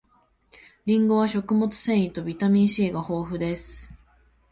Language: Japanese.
りんごは食物繊維とビタミン C が豊富です